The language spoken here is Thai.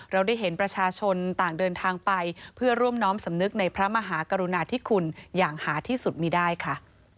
เราได้เห็นประชาชนต่างเดินทางไปเพื่อร่วมน้อมสำนึกในพระมหากรุณาธิคุณอย่างหาที่สุดมีได้ค่ะ